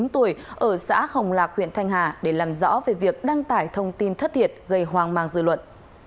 bốn mươi tuổi ở xã hồng lạc huyện thanh hà để làm rõ về việc đăng tải thông tin thất thiệt gây hoang mang dư luận